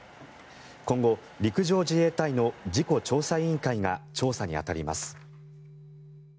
今後、陸上自衛隊の事故調査委員会が調査に当たります。